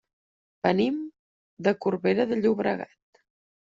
Venim de Corbera de Llobregat.